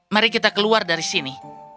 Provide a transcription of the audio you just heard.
mari kita keluar dari sini